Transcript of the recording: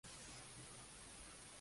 No se encuentra en la orina.